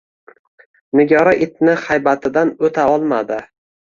Nigora itni xaybatidan oʻta olmadi.